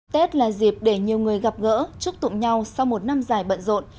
tết là dịp để nhiều người gặp gỡ chúc tụng nhau sau một năm dài bận rộn